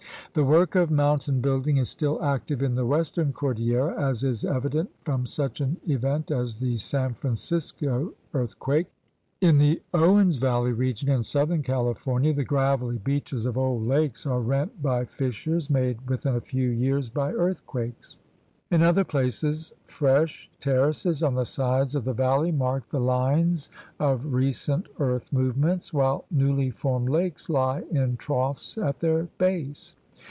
The work of mountain building is still active in the western cordillera, as is evident from such an event as the San Francisco earthquake. In the Owens Valley region in southern California the gravelly beaches of old lakes are rent by fissures made within a few years by earthquakes. In other places fresh terraces on the sides of the valley mark the lines of recent earth movements, while newly formed lakes lie in troughs at their base.